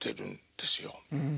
うん。